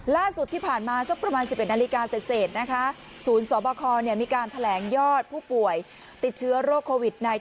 ล่าสุดที่ผ่านมาสักประมาณ๑๑นาฬิกาเสร็จนะคะศูนย์สบคมีการแถลงยอดผู้ป่วยติดเชื้อโรคโควิด๑๙